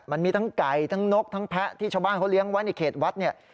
มันมีทั้งไก่ทั้งนกทั้งแพะที่ชาวบ้านเขาเลี้ยงไว้ในเขตวัดเนี่ย